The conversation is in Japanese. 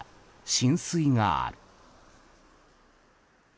浸水がある。